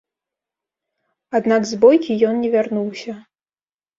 Аднак з бойкі ён не вярнуўся.